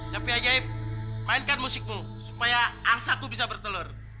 tapi ajaib mainkan musikmu supaya angsaku bisa bertelur